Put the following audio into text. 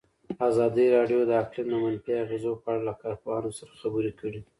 ازادي راډیو د اقلیم د منفي اغېزو په اړه له کارپوهانو سره خبرې کړي.